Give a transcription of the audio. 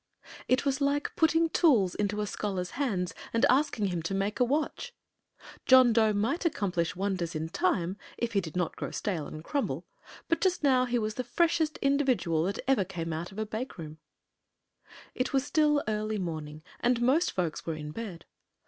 It was like putting tools into a scholar's hands and asking him to make a watch. John Dough might accomplish wonders in time, if he did not grow stale and crumble; but just now he was the freshest individual that ever came out of a bake room. It was still early morning, and most folks were in bed.